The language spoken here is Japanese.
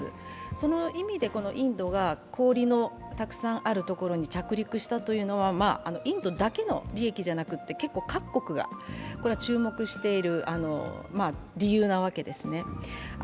その意味でインドが氷のたくさんあるところに着陸したというのはインドだけの利益だけじゃなくて、各国が注目している理由なわけですね。